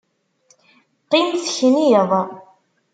Qqim tekniḍ!